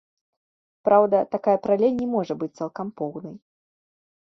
Праўда, такая паралель не можа быць цалкам поўнай.